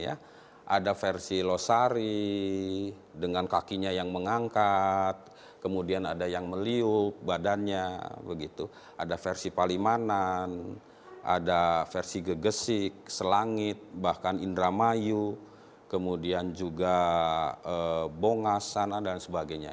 ada versi losari dengan kakinya yang mengangkat kemudian ada yang meliup badannya begitu ada versi palimanan ada versi gegesik selangit bahkan indramayu kemudian juga bongas sana dan sebagainya